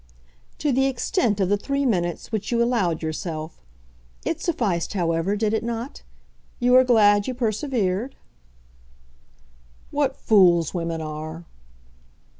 "To the extent of the three minutes which you allowed yourself. It sufficed, however; did it not? You are glad you persevered?" "What fools women are."